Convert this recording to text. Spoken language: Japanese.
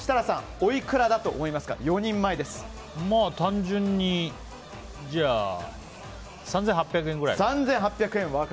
おいくらだと思いますか単純に、３８００円くらい。